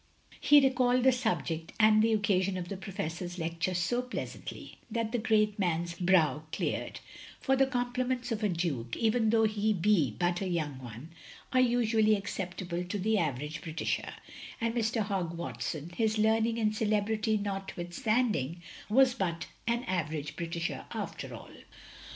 He recalled the subject and the occasion of the Professor's lecture so pleasantly, that the great man's brow cleared; for the compliments of a Duke, even though he be but a yoting one, are usually acceptable to the average Britisher; and Mr. Hogg Watson, his learning and celebrity notwithstanding, was but an average Britisher after all.